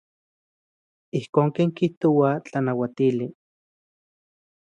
Ijkon ken kijtoa tlanauatili.